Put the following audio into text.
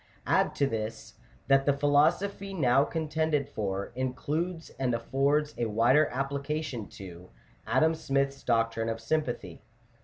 Add to this, that the philosophy now con tended for, includes, and affords a wider application to, Adam Smith's doctrine of sympathy (p.